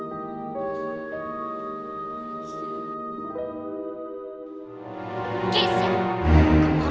casey kamu harus belajar